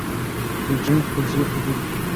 « د جنګ خوږې خبري